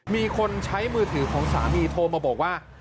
มีคนใช้มือถือของสามีโทรมาบอกว่า